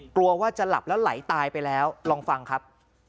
กลัวว่าจะหลับแล้วไหลตายไปแล้วลองฟังครับ